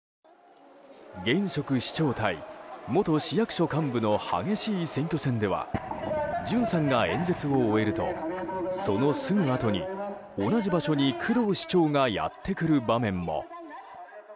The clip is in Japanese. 現職市長対元市役所幹部の激しい選挙戦では潤さんが演説を終えるとそのすぐあとに同じ場所に工藤市長がやってくる場面も。